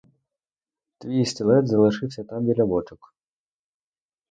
Твій стилет залишився там біля бочок.